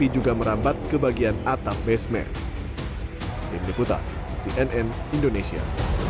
juga merambat ke bagian atap basement tim liputan cnn indonesia